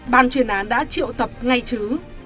ban truyền án đã triệu tập ngay trứ